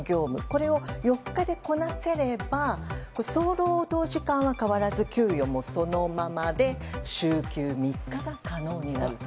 これを４日でこなせれば総労働時間は変わらず給与もそのままで週休３日が可能になると。